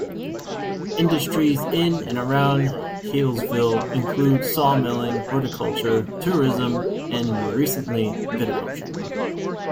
Industries in and around Healesville include sawmilling, horticulture, tourism and, more recently, viticulture.